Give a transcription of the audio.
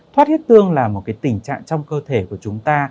thoát huyết tương là một tình trạng trong cơ thể của chúng ta